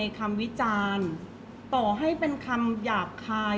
เพราะว่าสิ่งเหล่านี้มันเป็นสิ่งที่ไม่มีพยาน